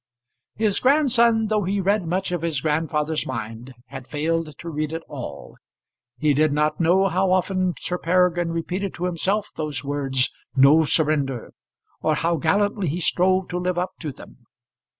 His grandson, though he read much of his grandfather's mind, had failed to read it all. He did not know how often Sir Peregrine repeated to himself those words, "No Surrender," or how gallantly he strove to live up to them.